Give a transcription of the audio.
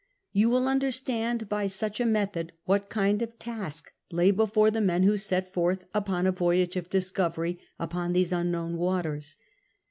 You will understand by such a method what kind of task lay before the men who set forth upon a voyage of discovery upon those unknown waters.